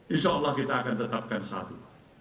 insya allah kita akan tetapkan satu